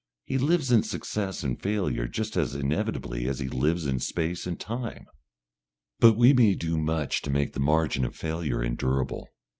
He lives in success and failure just as inevitably as he lives in space and time. But we may do much to make the margin of failure endurable.